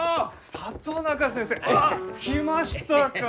里中先生！ああ来ましたか！